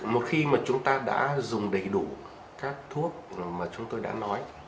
một khi mà chúng ta đã dùng đầy đủ các thuốc mà chúng tôi đã nói